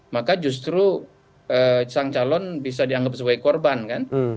maka justru sang calon bisa dianggap sebagai korban kan